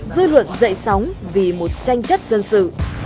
dư luận dậy sóng vì một tranh chất dân sự